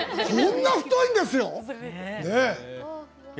こんな太いんですよ！